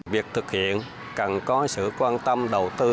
việc thực hiện cần có sự quan tâm đầu tư